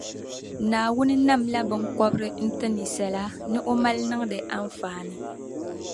Naawuni namla binkɔbiri n-ti ninsala, ni o mali niŋdi anfaani.